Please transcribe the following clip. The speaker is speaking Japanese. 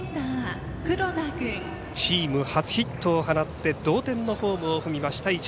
チーム初ヒットを放って同点のホームを踏みました